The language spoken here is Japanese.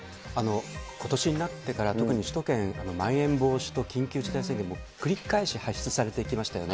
ことしになってから特に首都圏、まん延防止と緊急事態、もう繰り返し発出されてきましたよね。